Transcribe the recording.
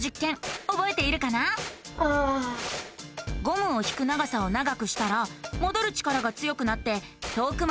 ゴムを引く長さを長くしたらもどる力が強くなって遠くまでうごいたよね。